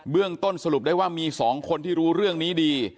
เรื่องต้นสรุปได้ว่ามี๒คนที่รู้เรื่องนี้ดี